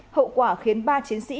hậu quả khiến ba chiến sĩ